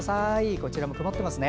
こちらも曇っていますね。